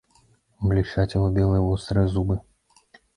Блішчаць яго белыя вострыя зубы.